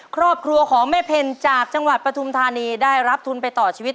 ครอบครัวของแม่เพ็ญจากจังหวัดปฐุมธานีได้รับทุนไปต่อชีวิต